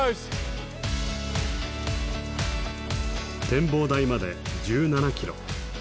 展望台まで１７キロ。